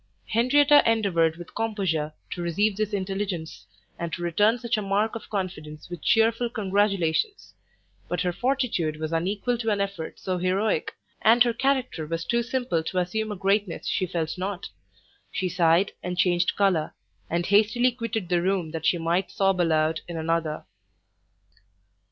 Henrietta endeavoured with composure to receive this intelligence, and to return such a mark of confidence with chearful congratulations: but her fortitude was unequal to an effort so heroic, and her character was too simple to assume a greatness she felt not: she sighed and changed colour; and hastily quitted the room that she might sob aloud in another.